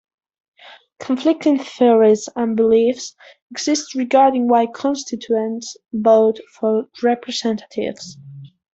Conflicting theories and beliefs exist regarding why constituents vote for representatives.